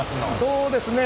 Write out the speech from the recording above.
そうですね